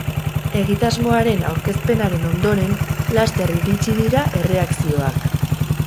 Egitasmoaren aurkezpenaren ondoren, laster iritsi dira erreakzioak.